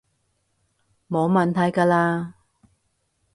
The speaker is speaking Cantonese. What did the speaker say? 冇問題㗎喇